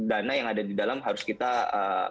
dana yang ada di dalam harus kita ee